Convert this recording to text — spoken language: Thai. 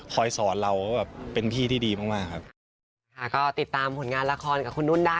คอยสอนเราเป็นพี่ที่ดีมากครับ